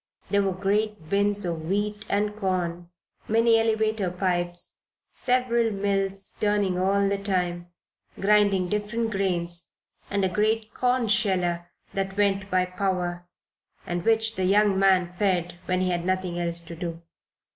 There were great bins of wheat and corn, many elevator pipes, several mills turning all the time, grinding different grains, and a great corn sheller that went by power, and which the young man fed when he had nothing else to do.